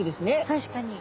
確かに。